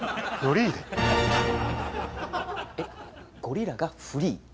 えっゴリラがフリー？